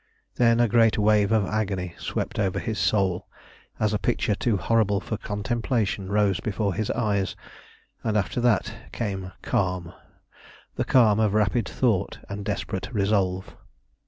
Then a great wave of agony swept over his soul as a picture too horrible for contemplation rose before his eyes, and after that came calm, the calm of rapid thought and desperate resolve.